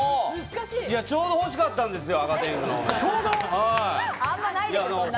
ちょうど欲しかったんですよ、赤天狗のお面。